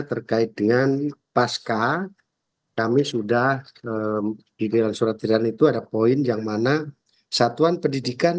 terkait dengan pasca kami sudah gigiran surat pilihan itu ada poin yang mana satuan pendidikan